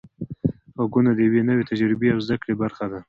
غږونه د یوې نوې تجربې او زده کړې برخه ده.